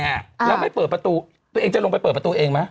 แล้วไม่เปิดประตูตัวเองจะลงไปเปิดประตูเองไหม